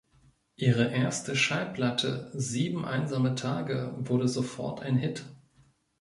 Ihre erste Schallplatte "Sieben einsame Tage" wurde sofort ein Hit.